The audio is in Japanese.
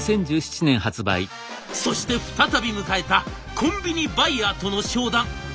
そして再び迎えたコンビニバイヤーとの商談。